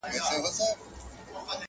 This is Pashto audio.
يوه ږغ كړه چي تر ټولو پهلوان يم،